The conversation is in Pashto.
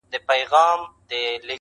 o دغه انسان بېشرفي په شرافت کوي.